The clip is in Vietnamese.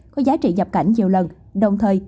có giá trị nhập cảnh nhiều lần đồng thời